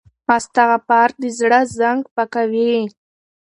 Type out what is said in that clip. استغفار د زړه زنګ پاکوي.